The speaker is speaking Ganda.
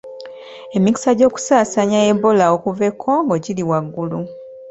Emikisa gy'okusaasaanya Ebola okuva e Congo giri waggulu.